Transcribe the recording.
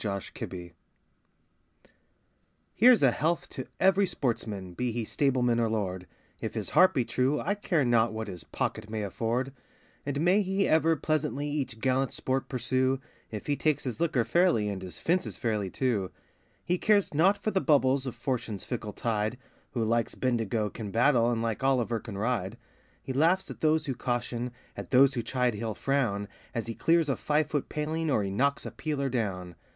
A Hunting Song Here's a health to every sportsman, be he stableman or lord, If his heart be true, I care not what his pocket may afford; And may he ever pleasantly each gallant sport pursue, If he takes his liquor fairly, and his fences fairly, too. He cares not for the bubbles of Fortune's fickle tide, Who like Bendigo can battle, and like Olliver can ride. He laughs at those who caution, at those who chide he'll frown, As he clears a five foot paling, or he knocks a peeler down.